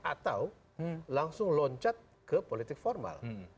atau langsung loncat ke politik formal